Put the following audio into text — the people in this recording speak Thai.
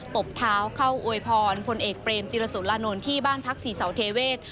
ตบเท้าเข้าอวยพรพลเอกเปรมติรสุรานนท์ที่บ้านพักศรีเสาเทเวศ